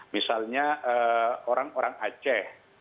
misalnya orang orang aceh